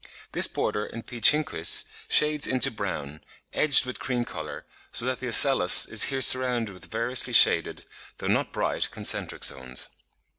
This border in P. chinquis shades into brown, edged with cream colour, so that the ocellus is here surrounded with variously shaded, though not bright, concentric zones.